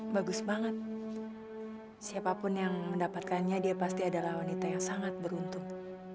bagus banget siapapun yang mendapatkannya dia pasti adalah wanita yang sangat beruntung